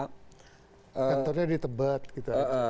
kantornya ditebat gitu